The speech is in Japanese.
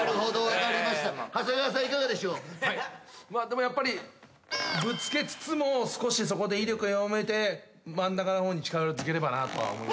でもやっぱりぶつけつつも少しそこで威力を弱めて真ん中の方に近づければなとは思います。